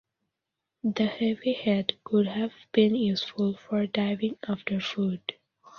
The heavy head could have been useful for diving after food.